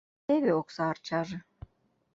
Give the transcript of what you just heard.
Теве окса арчаже